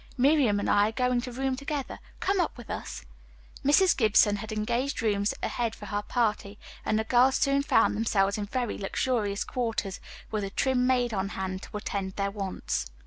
Miriam and I are going to room together. Come up with us." Mrs. Gibson had engaged rooms ahead for her party, and the girls soon found themselves in very luxurious quarters, with a trim maid on hand to attend to their wants.